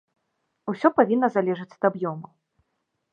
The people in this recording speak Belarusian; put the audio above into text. Усё павінна залежыць ад аб'ёмаў.